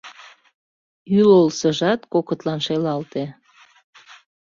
Ӱлылсыжат кокытлан шелалте.